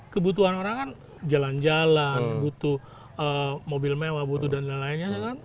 kebutuhan orang kan jalan jalan butuh mobil mewah butuh dan lain lainnya